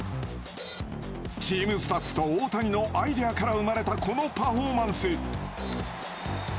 チームスタッフと大谷のアイデアから生まれたこのパフォーマンス。